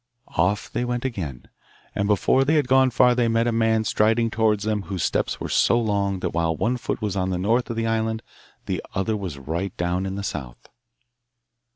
Off they went again, and before they had gone far they met a man striding towards them whose steps were so long that while one foot was on the north of the island the other was right down in the south.